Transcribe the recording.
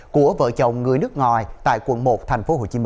của vợ chồng người nước ngoài tại quận một tp hcm